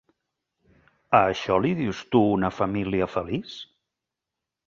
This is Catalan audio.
A això li dius tu una família feliç?